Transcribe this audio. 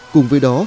cùng với đó